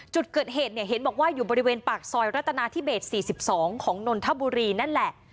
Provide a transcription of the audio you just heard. จุดเกิดเหตุเนี่ยเห็นบอกว่าอยู่บริเวณปากซอยรัตนาธิเบส๔๒ของนนทบุรีนั่นแหละ